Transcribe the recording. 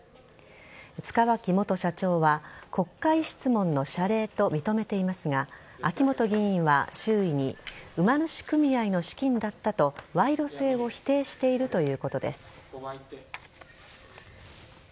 塚脇元社長は国会質問の謝礼と認めていますが秋本議員は周囲に馬主組合の資金だったと賄賂性を否定しているということです。